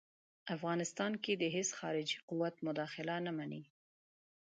افغانستان کې د هیڅ خارجي قوت مداخله نه مني.